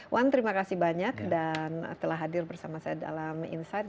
wan terima kasih banyak dan telah hadir bersama saya dalam insight